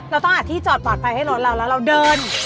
เราต้องอัดที่จอดปลอดภัยให้รถเราแล้วเราเดิน